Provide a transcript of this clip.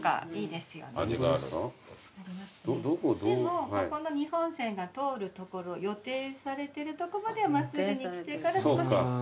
でもここの２本線が通る所予定されてるとこまでは真っすぐに来てから少しこうやって。